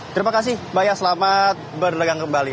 terima kasih mbak ya selamat berdagang kembali